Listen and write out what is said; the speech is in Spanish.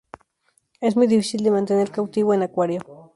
Es muy difícil de mantener cautivo en acuario.